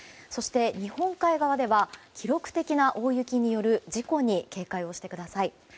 そして日本海側では記録的な大雪による事故に警戒をしてください。